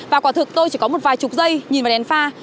và quả thực tôi chỉ có một vài chục giây nhìn vào đèn pha